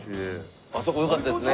あそこ良かったですね。